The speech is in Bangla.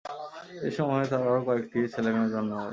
এ সময়ে তাঁর আরো করেকটি ছেলে-মেয়ের জন্ম হয়।